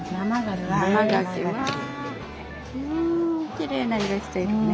きれいな色してるね。